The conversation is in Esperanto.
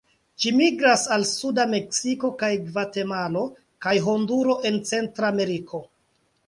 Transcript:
Ĝi migras al suda Meksiko kaj Gvatemalo kaj Honduro en Centrameriko.